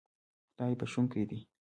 خدای بښونکی دی